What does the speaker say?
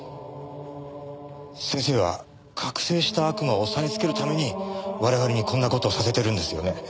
先生は覚醒した悪魔を抑えつけるために我々にこんな事をさせてるんですよね？